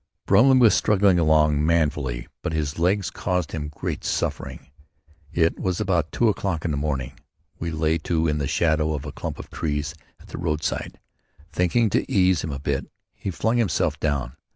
Brumley was struggling along manfully but his legs caused him great suffering. At about two o'clock in the morning we lay to in the shadow of a clump of trees at the roadside, thinking to ease him a bit. He flung himself down.